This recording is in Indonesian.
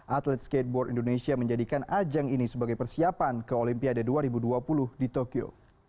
atlet skateboard indonesia menjadikan ajang ini sebagai persiapan ke olimpiade dua ribu dua puluh di tokyo